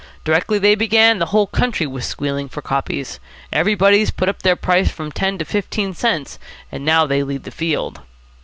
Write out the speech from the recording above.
Directly they began, the whole country was squealing for copies. Everybody's put up their price from ten to fifteen cents, and now they lead the field."